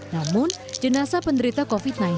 namun jenazah penderita covid sembilan belas